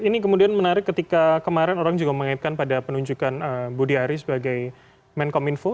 ini kemudian menarik ketika kemarin orang juga mengaitkan pada penunjukan budi ari sebagai menkom info